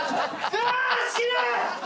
うわー死ぬ！